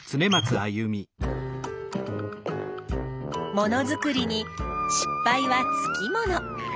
ものづくりに失敗はつきもの。